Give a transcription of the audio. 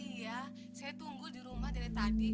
iya saya tunggu di rumah dari tadi